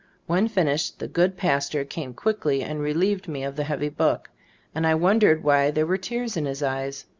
When finished, the good pas tor came quickly and relieved me of the heavy book, and I wondered why there were tears in his eyes.